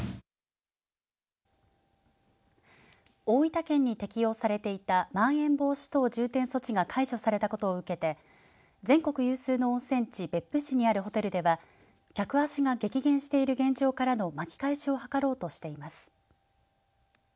大分県に適用されていたまん延防止等重点措置が解除されたことを受けて全国有数の温泉地、別府市にあるホテルでは客足が激減している現状からの巻き返しを図ろうとしています。